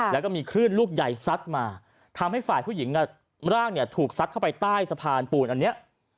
แล้วก็มีคลื่นลูกใหญ่ซัดมาทำให้ฝ่ายผู้หญิงร่างเนี่ยถูกซัดเข้าไปใต้สะพานปูนอันนี้